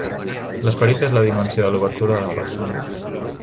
L'esperit és la dimensió de l'obertura de la persona.